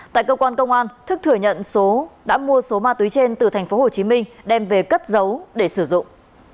tại cơ quan công an thức thừa nhận số đã mua số ma túy trên từ tp hcm đem về cất giấu để sử dụng